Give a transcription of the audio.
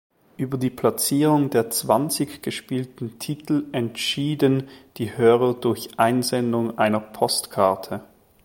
Über die Platzierung der zwanzig gespielten Titel entschieden die Hörer durch Einsendung einer Postkarte.